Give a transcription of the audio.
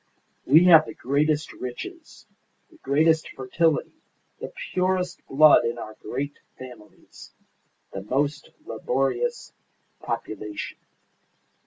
We have the greatest riches, the greatest fertility, the purest blood in our great families, the most laborious population.